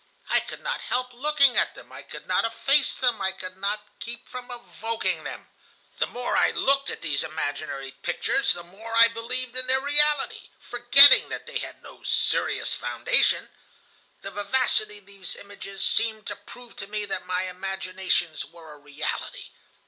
I could not help looking at them, I could not efface them, I could not keep from evoking them. "The more I looked at these imaginary pictures, the more I believed in their reality, forgetting that they had no serious foundation. The vivacity of these images seemed to prove to me that my imaginations were a reality.